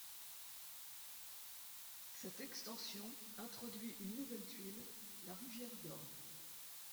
Cette extension introduit une nouvelle tuile, la rivière d'or.